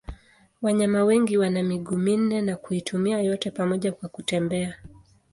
Wanyama wengi wana miguu minne na kuitumia yote pamoja kwa kutembea.